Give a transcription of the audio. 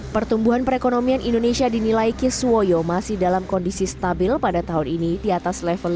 pertumbuhan perekonomian indonesia dinilai kiswoyo masih dalam kondisi stabil pada tahun ini di atas level lima